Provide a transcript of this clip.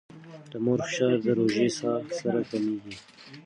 د مور فشار د ژورې ساه سره کمېږي.